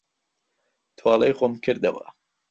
تۆڵەی خۆم کردەوە.